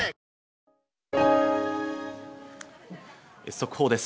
速報です。